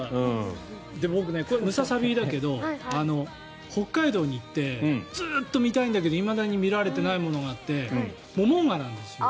僕、ムササビだけど北海道に行ってずっと見たいんだけどいまだに見られていないものがあってモモンガなんですよ。